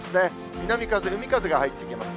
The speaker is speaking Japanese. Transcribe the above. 南風、海風が入ってきます。